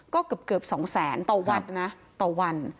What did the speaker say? ก็เกือบ๒แสนต่อวันนะต่อวัน